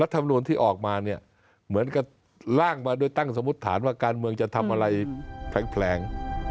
ธรรมนูลที่ออกมาเนี่ยเหมือนกับร่างมาโดยตั้งสมมุติฐานว่าการเมืองจะทำอะไรแผลง